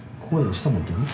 下持ってく？